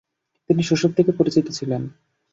তিনি শৈশব থেকেই পরিচিত ছিলেন।